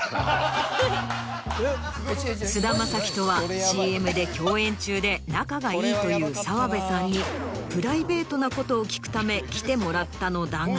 菅田将暉とはＣＭで共演中で仲がいいという澤部さんにプライベートなことを聞くため来てもらったのだが。